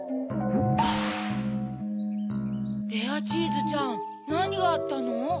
レアチーズちゃんなにがあったの？